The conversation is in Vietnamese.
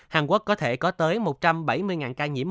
hàn quốc có thể có tới một trăm bảy mươi ca nhiễm